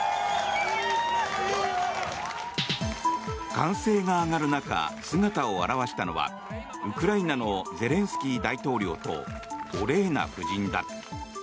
歓声が上がる中姿を現したのはウクライナのゼレンスキー大統領とオレーナ夫人だ。